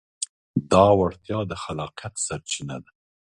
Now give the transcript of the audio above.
دا وړتیا د خلاقیت سرچینه ده.